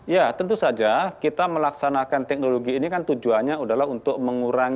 ya tentu saja kita melaksanakan teknologi ini kan tujuannya adalah untuk mengurangi